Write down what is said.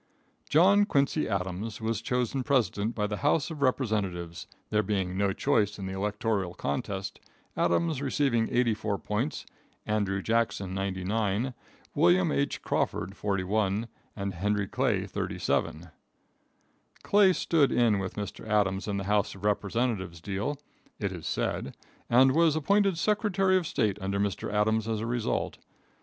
John Quincy Adams was chosen president by the House of Representatives, there being no choice in the electoral contest, Adams receiving 84 votes, Andrew Jackson 99, William H. Crawford 41, and Henry Clay 37. Clay stood in with Mr. Adams in the House of Representatives deal, it was said, and was appointed secretary of state under Mr. Adams as a result.